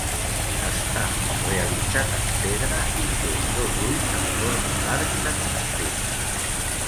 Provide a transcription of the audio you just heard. Està realitzat en pedra i té dos ulls en forma d'arc de mig punt.